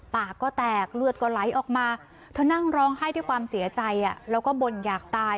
ปากก็แตกเลือดก็ไหลออกมาเธอนั่งร้องไห้ด้วยความเสียใจแล้วก็บ่นอยากตาย